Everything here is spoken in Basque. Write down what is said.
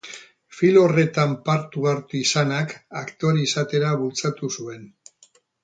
Film horretan parte hartu izanak, aktore izatera bultzatu zuen.